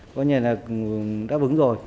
có nhiều người đã bứng rồi